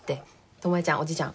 巴ちゃんおじちゃん